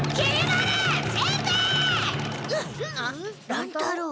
乱太郎！？